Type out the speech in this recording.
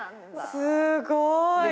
すごーい。